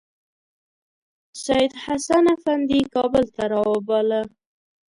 سیدحسن افندي کابل ته راوباله.